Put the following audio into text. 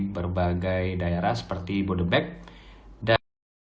berbagai daerah seperti bodebek dan